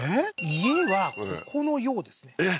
家はここのようですねえっ？